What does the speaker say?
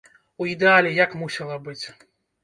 У ідэале як мусіла быць?